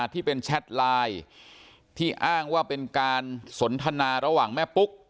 ที่เป็นแชทไลน์ที่อ้างว่าเป็นการสนทนาระหว่างแม่ปุ๊ก